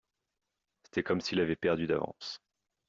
C’était comme s’il avait perdu d’avance.